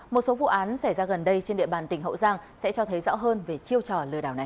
một số vụ án xảy ra gần đây trên địa bàn tỉnh hậu giang sẽ cho thấy rõ hơn về chiêu trò lừa đảo này